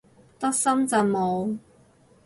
得深圳冇